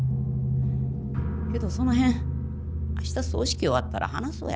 けどその辺明日葬式終わったら話そうや。